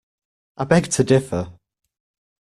I beg to differ